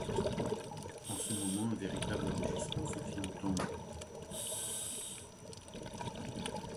En ce moment, un véritable rugissement se fit entendre.